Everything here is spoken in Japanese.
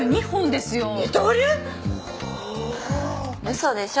嘘でしょ。